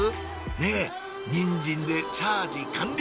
ねぇニンジンでチャージ完了！